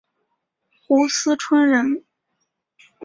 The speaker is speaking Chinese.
斛斯椿人。